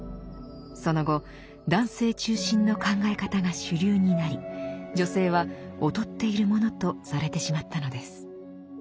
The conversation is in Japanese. その後男性中心の考え方が主流になり女性は劣っているものとされてしまったのです。